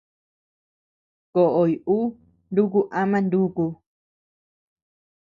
Koʼoy ú nuku ama núku.